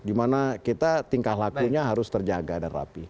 dimana kita tingkah lakunya harus terjaga dan rapi